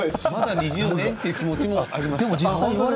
２０年という気持ちもありました。